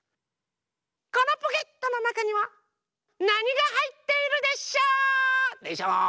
このポケットのなかにはなにがはいっているでショー？でショー？